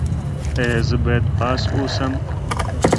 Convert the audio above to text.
ایا زه باید پاس اوسم؟